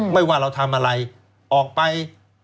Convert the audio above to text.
ว่าเราทำอะไรออกไป